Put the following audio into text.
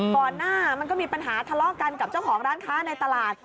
ก่อนหน้ามันก็มีปัญหาทะเลาะกันกับเจ้าของร้านค้าในตลาด